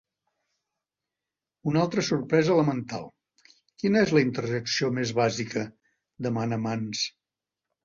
Una altra sorpresa elemental: "Quina és la interjecció més bàsica?", demana Mans.